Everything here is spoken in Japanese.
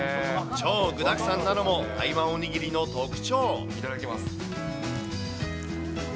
超具だくさんなのも台湾おにぎりいただきます。